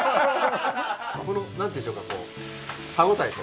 このなんていうんでしょうかこう歯応えと。